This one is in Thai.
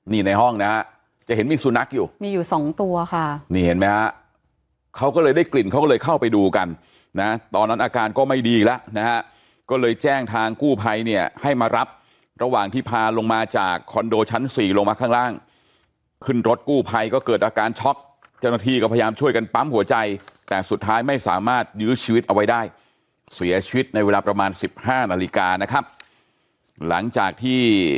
นี่ในห้องนะจะเห็นมีสุนัขอยู่มีอยู่สองตัวค่ะนี่เห็นไหมครับเขาก็เลยได้กลิ่นเขาเลยเข้าไปดูกันนะตอนนั้นอาการก็ไม่ดีแล้วนะก็เลยแจ้งทางกู้ภัยเนี่ยให้มารับระหว่างที่พาลงมาจากคอนโดชั้นสี่ลงมาข้างล่างขึ้นรถกู้ภัยก็เกิดอาการช็อคจนทีก็พยายามช่วยกันปั๊มหัวใจแต่สุดท้ายไม่สามารถยืนชีวิตเอาไว้ได